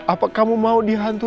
apa kamu mau dihantu